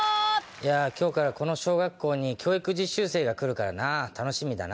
今日からこの小学校に教育実習生が来るから楽しみだ。